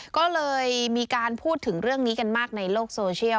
ก็เลยมีการพูดถึงเรื่องนี้กันมากในโลกโซเชียล